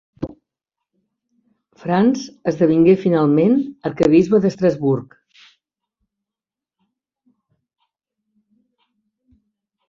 Franz esdevingué finalment arquebisbe d'Estrasburg.